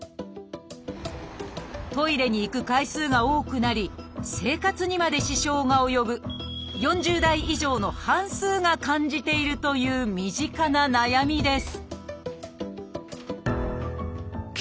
トイレに行く回数が多くなり生活にまで支障が及ぶ４０代以上の半数が感じているという身近な悩みです